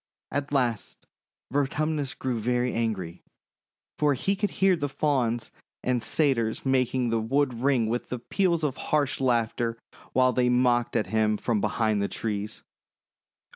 At last Vertumnus grew very angry, for he THE LITTLE NYMPH 13 could hear the Fauns and Satyrs making the wood ring with peals of harsh laughter, while they mocked at him from behind the trees.